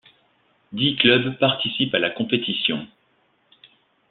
Dix clubs participent à la compétition.